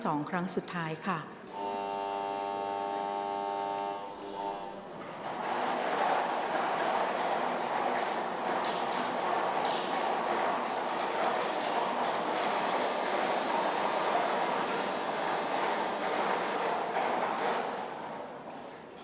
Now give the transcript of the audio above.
ออกรางวัลเลขหน้า๓ตัวครั้งที่๒